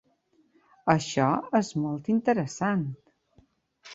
Això és molt interessant.